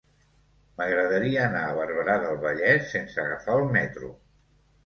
M'agradaria anar a Barberà del Vallès sense agafar el metro.